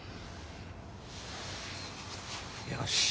よし。